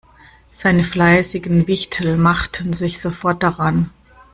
Seine fleißigen Wichtel machten sich sofort daran.